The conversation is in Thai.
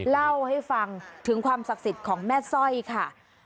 เล่าให้ฟังถึงความศักดิ์สิทธิ์ของแม่สร้อยค่ะ